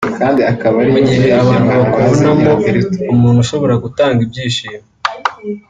Mu gihe abantu bakubonamo umuntu ushobora gutanga ibyishimo